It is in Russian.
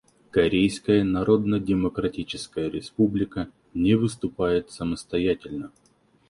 Корейская Народно-Демократическая Республика не выступает самостоятельно.